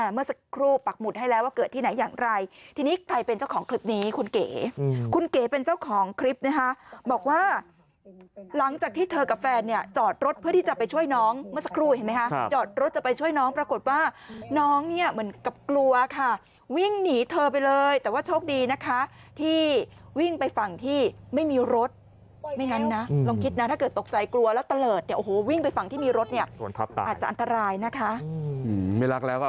เมื่อสักครู่ปรับปรับปรับปรับปรับปรับปรับปรับปรับปรับปรับปรับปรับปรับปรับปรับปรับปรับปรับปรับปรับปรับปรับปรับปรับปรับปรับปรับปรับปรับปรับปรับปรับปรับปรับปรับปรับปรับปรับปรับปรับปรับปรับปรับปรับปรับปรับปรับปรับปรับปรับปรับปรั